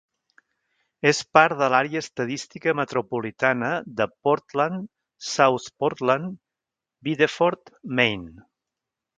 És part de l'àrea estadística metropolitana de Portland-South Portland-Biddeford, Maine.